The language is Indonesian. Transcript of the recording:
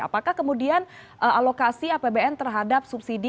apakah kemudian alokasi apbn terhadap subsidi